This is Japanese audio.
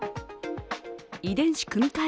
遺伝子組み換え